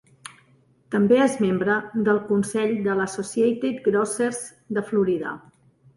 També és membre del consell de l'Associated Grocers de Florida.